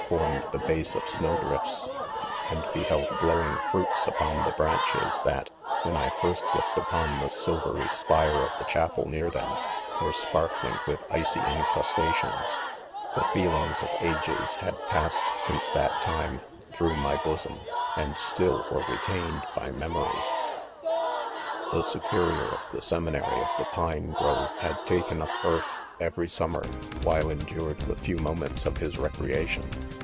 formed the base of snow drifts f and beheld glowing : fruits upon the branches that, when 1 first looked upon the silvery spi?e h2 . If ^• .Ii»MEN» of .the chapel near them, were sparkling with ' icy incrustations* The feelings of ages had : passed since that time, through my bosom, ■ and; still' were retained by memory. •;:,: ^C'h© superior of the seminary of the fine grOFe.faad taken up earth every summer, while . endured the few .moments of his recreation